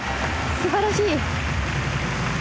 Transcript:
すばらしい。